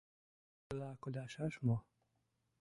— Чыла кудашаш мо?